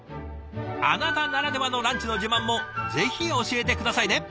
あなたならではのランチの自慢もぜひ教えて下さいね！